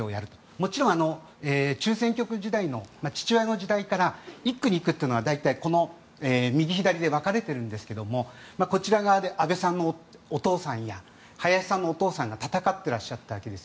もちろん、中選挙区時代の父親の時代から１区、２区というのは大体、この右左でわかれているんですけどこちら側で安倍さんのお父さんや林さんのお父さんが戦っていらっしゃったわけなんです。